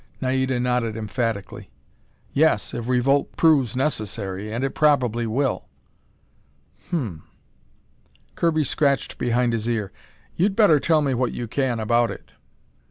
Naida nodded emphatically. "Yes, if revolt proves necessary. And it probably will." "Hum." Kirby scratched behind his ear. "You'd better tell me what you can about it."